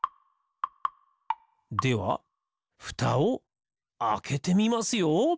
ではふたをあけてみますよ！